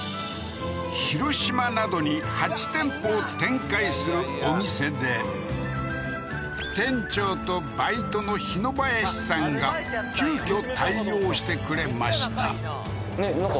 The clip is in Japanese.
広島などに８店舗を展開するお店で店長とバイトの日野林さんが急きょ対応してくれましたねえ